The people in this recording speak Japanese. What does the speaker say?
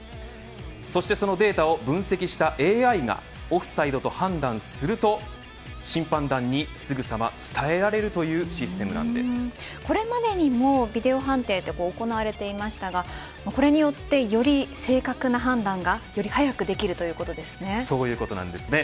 そしてそのデータを分析したＡＩがオフサイドと判断すると審判団にすぐさま伝えられるというシステムなんでこれまでにもビデオ判定は行われていましたがこれによってより正確な判断がより早くできるということですね。